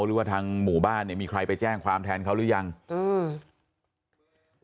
หรือว่าทางหมู่บ้านเนี่ยมีใครไปแจ้งความแทนเขาหรือยังอืม